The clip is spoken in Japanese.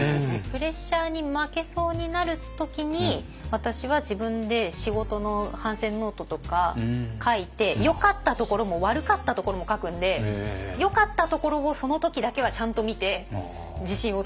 プレッシャーに負けそうになる時に私は自分で仕事の反省ノートとか書いてよかったところも悪かったところも書くんでよかったところをその時だけはちゃんと見て自信をつけるっていう。